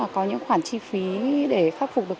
có những khoản chi phí để khắc phục được